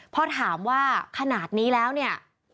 พอถามว่าขนาดนี้แล้วเนี่ย